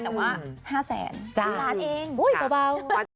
แต่ว่า๕แสนเป็นร้านเอง